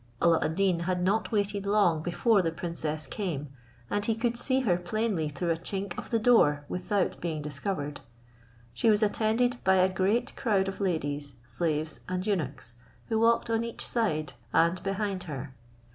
Alla ad Deen had not waited long before the princess came, and he could see her plainly through a chink of the door without being discovered. She was attended by a great crowd of ladies, slaves and eunuchs, who walked on each side, and behind her.